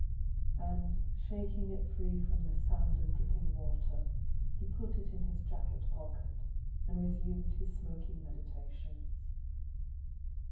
And shaking it free from the sand and dripping water, he put it in his jacket pocket, and resumed his smoky meditations.